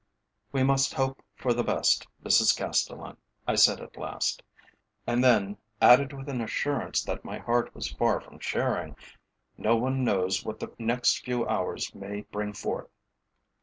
"We must hope for the best, Mrs Castellan," I said at last, and then added with an assurance that my heart was far from sharing "no one knows what the next few hours may bring forth."